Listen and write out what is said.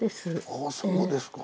あぁそうですか！